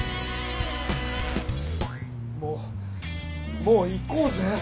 もうもう行こうぜ。